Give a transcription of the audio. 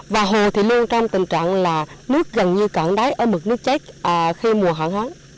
và hồ thì luôn trong tình trạng là nước gần như cạn đáy ở mực nước cháy khi mùa hỏng hóng